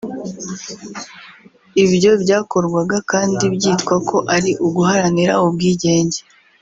ibyo byakorwaga kandi byitwa ko ari uguharanira ubwigenge